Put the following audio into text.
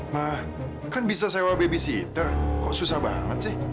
nah kan bisa sewa babysitter kok susah banget sih